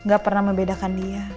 gak pernah membedakan dia